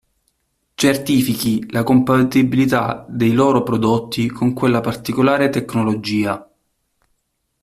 Certifichi la compatibilità dei loro prodotti con quella particolare tecnologia.